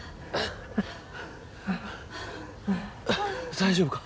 大丈夫か？